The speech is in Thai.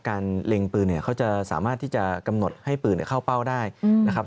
เล็งปืนเนี่ยเขาจะสามารถที่จะกำหนดให้ปืนเข้าเป้าได้นะครับ